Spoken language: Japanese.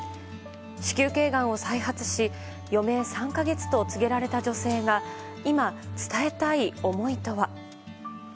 子宮頸がんを再発し余命３か月と告げられた女性が今、伝えたい思いとは。